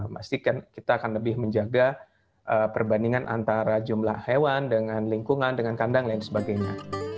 pastikan kita akan lebih menjaga perbandingan antara jumlah hewan dengan lingkungan dengan kandang lain sebagainya